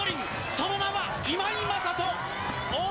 その名は、今井正人。